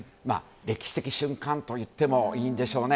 歴史的瞬間といってもいいんでしょうね。